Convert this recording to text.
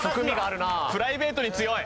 プライベートに強い！